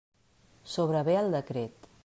Sobrevé el decret.